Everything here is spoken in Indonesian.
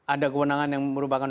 ada kewenangan yang merupakan